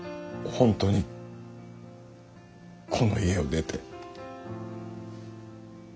本当にこの家を出て。